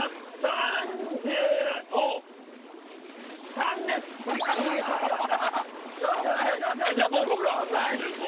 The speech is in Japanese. ３５。